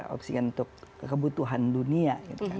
opsi untuk kebutuhan dunia